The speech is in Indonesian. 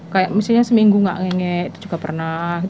kayak misalnya seminggu gak nge nge itu juga pernah